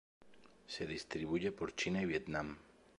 Se distribuye por China y Vietnam.